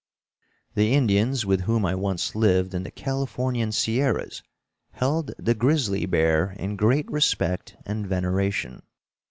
The Indians with whom I once lived in the Californian Sierras held the grizzly bear in great respect and veneration.